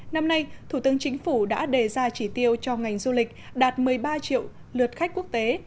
năm nay thủ tướng chính phủ đã đề ra chỉ tiêu cho ngành du lịch đạt một mươi ba triệu lượt khách quốc tế